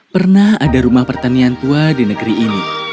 pernah ada rumah pertanian tua di negeri ini